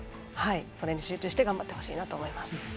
それに集中して頑張ってほしいなと思います。